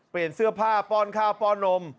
เปลี่ยนเสื้อผ้าป้อนข้าวป้อนนม